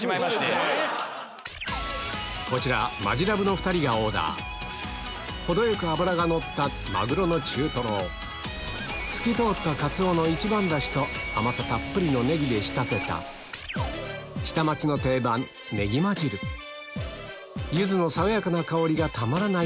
こちらマヂラブの２人がオーダー程よく脂がのったマグロの中トロを透き通ったカツオの一番ダシと甘さたっぷりのネギで仕立てた下町の定番葱鮪汁ユズの爽やかな香りがたまらない